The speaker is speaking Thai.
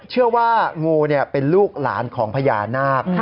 เชื่อว่างูเป็นลูกหลานของพญานาค